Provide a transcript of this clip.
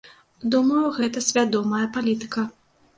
Думаю, гэта свядомая палітыка.